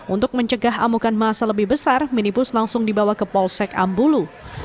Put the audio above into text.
untuk mencegah amukan masa lebih besar minibus langsung dibawa ke polsek ambulu